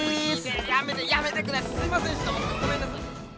やめてやめてくだすいませんでしたごめんなさい！